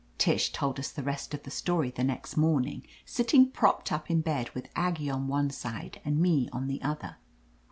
Tish told us the rest of the story the next morning, sitting propped up in bed with Aggie on one side and me on the other.